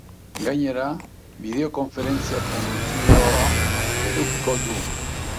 Gainera, bideokonferentzia funtzioa edukiko du.